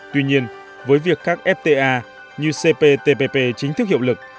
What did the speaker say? tuy nhiên với việc các fta như cptpp chính thức hiệu lực